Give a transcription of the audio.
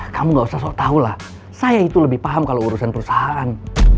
kamu gak usah tahu lah saya itu lebih paham kalau urusan perusahaan